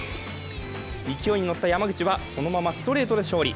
勢いに乗った山口は、そのままストレートで勝利。